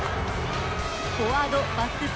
フォワード、バックス